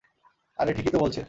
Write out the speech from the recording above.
আরে, ঠিকই তো বলছে।